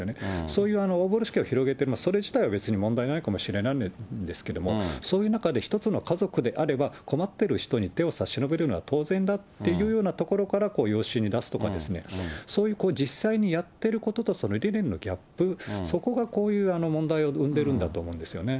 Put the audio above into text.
そういう大ぶろしきを広げて、それ自体は別に問題ないかもしれないんですけれども、そういう中で一つの家族であれば困っている人に手を差し伸べるのは当然だっていうようなところから、こういう養子に出すとか、そういう実際にやっていることと理念のギャップ、そこがこういう問題を生んでるんだと思うんですよね。